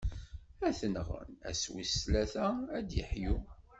Ad t-nɣen, ass wis tlata, ad d-iḥyu.